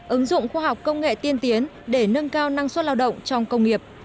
ứng dụng khoa học công nghệ tiên tiến để nâng cao năng suất lao động trong công nghiệp